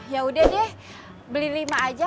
yaudah deh beli lima aja